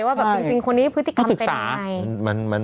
ว่าแบบจริงคนนี้พฤติกรรมไปไหน